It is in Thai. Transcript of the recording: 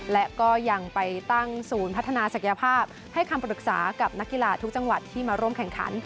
และก็ยังไปตั้งศูนย์พัฒนาศักยภาพให้คำปรึกษากับนักกีฬาทุกจังหวัดที่มาร่วมแข่งขัน